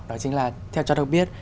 đó chính là theo cháu được biết